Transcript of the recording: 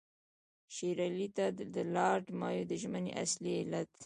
شېر علي ته د لارډ مایو د ژمنې اصلي علت.